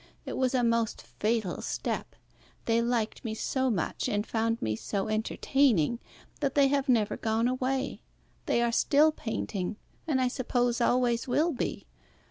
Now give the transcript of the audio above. It was a most fatal step. They liked me so much, and found me so entertaining, that they have never gone away. They are still painting, and I suppose always will be.